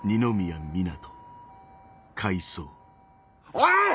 おい！